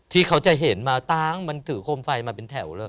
ที่เขาจะเห็นมาตั้งมันถือโคมไฟมาเป็นแถวเลย